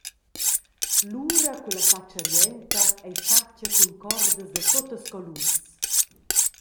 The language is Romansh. L’ura culla fatscha rienta ei fatga cun cordas da tuttas colurs.